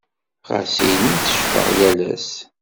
Ɣas ini teccfeɣ yal ass.